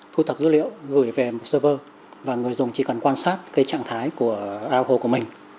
thu thập dữ liệu gửi về một server và người dùng chỉ cần quan sát trạng thái của ao hồ của mình